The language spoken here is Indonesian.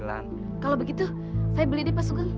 kalau begitu saya beli deh pak sugeng